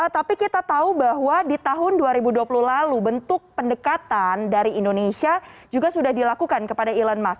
tapi kita tahu bahwa di tahun dua ribu dua puluh lalu bentuk pendekatan dari indonesia juga sudah dilakukan kepada elon musk